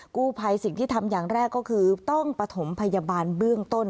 กู้ภัยสิ่งที่ทำอย่างแรกก็คือต้องปฐมพยาบาลเบื้องต้น